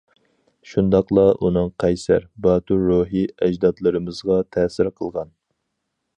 شۇنداقلا ئۇنىڭ قەيسەر، باتۇر روھى ئەجدادلىرىمىزغا تەسىر قىلغان.